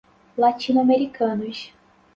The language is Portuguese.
latino-americanos